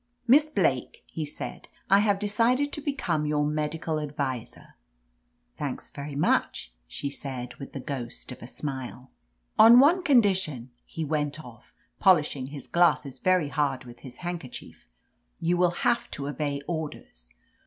"Miss Blake," he said, "I have decided to become your medical adviser !" "Thanks very much!" she said, with the ghost of a smile. 26 OF LETITIA CARBERRY "On one condition," he went off, polishing his glasses very hard with his handkerchief. 'Tfou will have to obey orders."